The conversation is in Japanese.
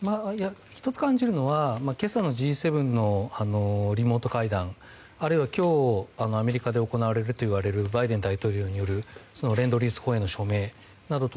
１つ感じるのは今朝のＧ７のリモート会談あるいは今日、アメリカで行われるといわれるバイデン大統領によるレンドリース法への署名